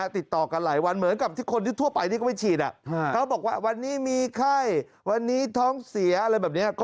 ติดต่อกันหลายวันเหมือนกับที่คนที่ทั่วไปที่เขาไปฉีดเขาบอกว่าวันนี้มีไข้วันนี้ท้องเสียอะไรแบบนี้